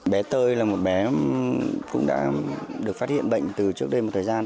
bé tơi là một bé cũng đã được phát hiện bệnh từ trước đây một thời gian